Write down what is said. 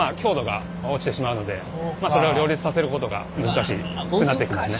それを両立させることが難しくなってきますね。